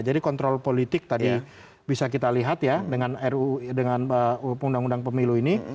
jadi kontrol politik tadi bisa kita lihat ya dengan ruu dengan undang undang pemilu ini